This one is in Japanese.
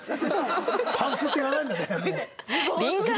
「パンツ」って言わないんだね。